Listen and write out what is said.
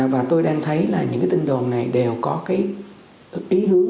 và tôi đang thấy là những tin đồn này đều có ý hướng